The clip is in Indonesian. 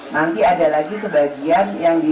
nanti ada lagi sebagian yang di